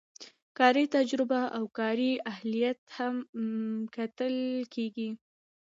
کاري تجربه او کاري اهلیت هم کتل کیږي.